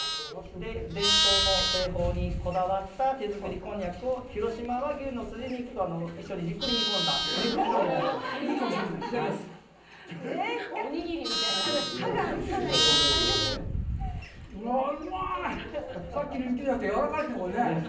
伝統の製法にこだわった手作りこんにゃくを広島和牛のすじ肉と一緒にじっくり煮込んでおります。